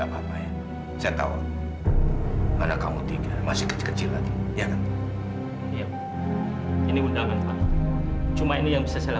padatkan kesana satria